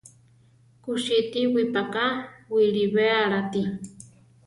Kusíti wipaká wiʼlibéalati.